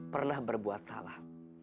pernah berbuat salah